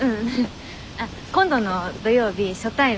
あっ今度の土曜日初対面で。